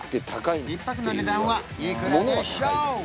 １泊の値段はいくらでしょう？